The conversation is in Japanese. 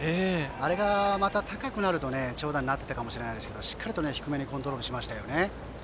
あれがまた高くなると長打になっていたかもしれないですがしっかり低めにコントロールしましたね。